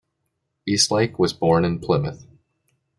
Eastlake was born in Plymouth.